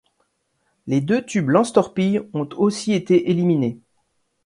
Les deux tubes lance-torpilles ont aussi été éliminés.